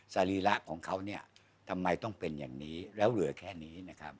สรีระของเขาเนี่ยทำไมต้องเป็นอย่างนี้แล้วเหลือแค่นี้นะครับ